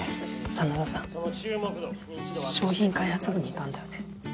真田さん商品開発部にいたんだよね？